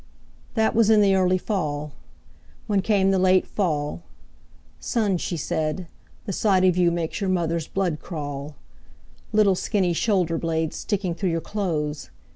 That was in the early fall. When came the late fall, "Son," she said, "the sight of you Makes your mother's blood crawl,– "Little skinny shoulder blades Sticking through your clothes!